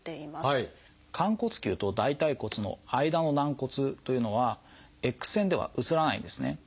寛骨臼と大腿骨の間の軟骨というのはＸ線では写らないんですね。